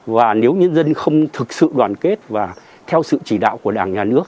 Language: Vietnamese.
và nếu nhân dân không thực sự đoàn kết và theo sự chỉ đạo của đảng nhà nước